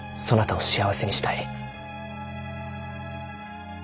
そなたを幸せにしたい。